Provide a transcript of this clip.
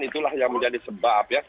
itulah yang menjadi sebab